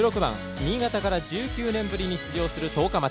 新潟から１９年ぶりに出場する十日町。